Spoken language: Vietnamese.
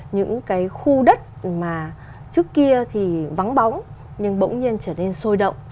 những cái khu đất mà trước kia thì vắng bóng nhưng bỗng nhiên trở nên sôi động